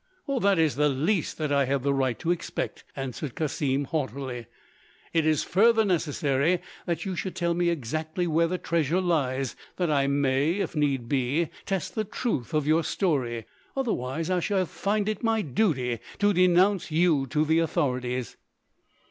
"That is the least that I have the right to expect," answered Cassim haughtily. "It is further necessary that you should tell me exactly where the treasure lies, that I may, if need be, test the truth of your story, otherwise I shall find it my duty to denounce you to the authorities."